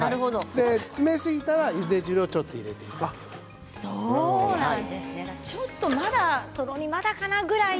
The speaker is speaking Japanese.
詰めすぎたら、ゆで汁をちょっと入れてください。